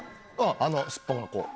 あのすっぽんがこう。